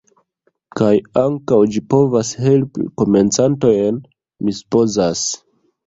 Kaj ankaŭ ĝi povas helpi komencantojn, mi supozas.